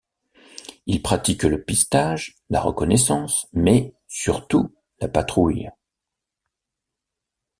Ils pratiquent le pistage, la reconnaissance, mais surtout la patrouille.